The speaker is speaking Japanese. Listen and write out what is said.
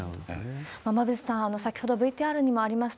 馬渕さん、先ほどＶＴＲにもありました、